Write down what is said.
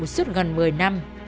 suốt gần một mươi năm